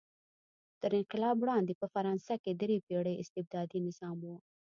تر انقلاب وړاندې په فرانسه کې درې پېړۍ استبدادي نظام و.